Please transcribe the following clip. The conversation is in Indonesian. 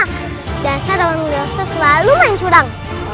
biasa lawan dewasa selalu main curang